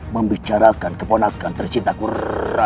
membicarakan keponakan tercinta kurra